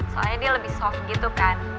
soalnya dia lebih soft gitu kan